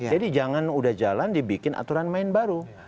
jadi jangan sudah jalan dibikin aturan main baru